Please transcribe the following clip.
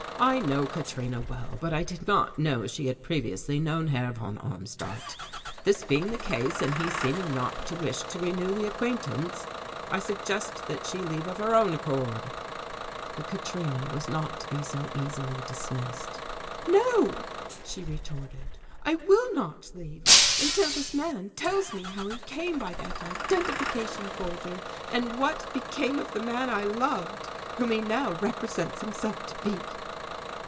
I know Katrina well, but I did not know she had previously known Herr von Armstadt. This being the case, and he seeming not to wish to renew the acquaintance, I suggest that she leave of her own accord." But Katrina was not to be so easily dismissed. "No," she retorted, "I will not leave until this man tells me how he came by that identification folder and what became of the man I loved, whom he now represents himself to be."